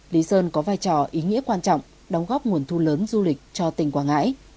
lý sơn có vai trò ý nghĩa quan trọng đóng góp nguồn thu lớn du lịch cho tỉnh quảng ngãi